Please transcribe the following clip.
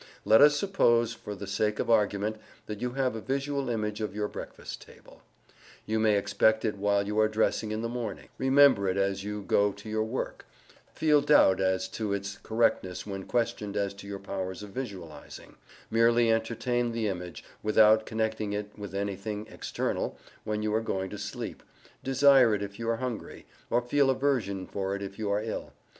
Let us suppose, for the sake of argument, that you have a visual image of your breakfast table. You may expect it while you are dressing in the morning; remember it as you go to your work; feel doubt as to its correctness when questioned as to your powers of visualizing; merely entertain the image, without connecting it with anything external, when you are going to sleep; desire it if you are hungry, or feel aversion for it if you are ill.